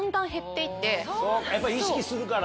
やっぱ意識するから？